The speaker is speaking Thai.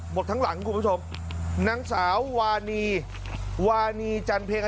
หมดทั้งหลังคุณผู้ชมนางสาววานีวานีจันเพ็ง